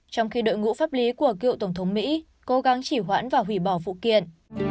trong khi đội ngũ pháp lý của cựu tổng thống mỹ cố gắng chỉ hoãn và hủy bỏ vụ kiện